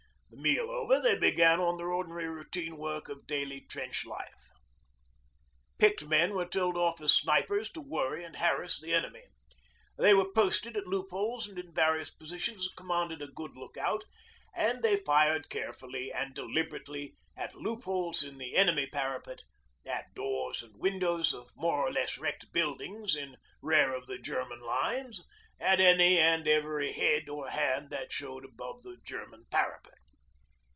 The meal over, they began on their ordinary routine work of daily trench life. Picked men were told off as snipers to worry and harass the enemy. They were posted at loopholes and in various positions that commanded a good outlook, and they fired carefully and deliberately at loopholes in the enemy parapet, at doors and windows of more or less wrecked buildings in rear of the German lines, at any and every head or hand that showed above the German parapet.